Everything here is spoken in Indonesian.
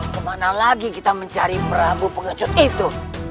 kemana lagi kita mencari perahu pengecut itu